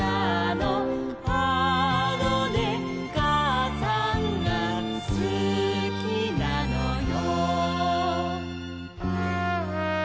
「あのねかあさんがすきなのよ」